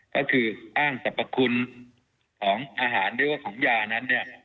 ก็คืออ้างสรรพคุณของอาหารหรือว่าของยานั้นเนี่ย